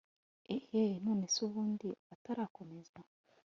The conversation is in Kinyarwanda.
eheee nonese ubundi atarakomeza